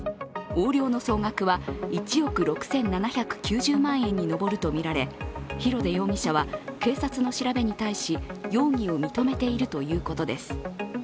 横領の総額は１億６７９０万円に上るとみられ廣出容疑者は警察の調べに対し、容疑を認めているということです。